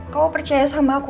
kamu percaya sama aku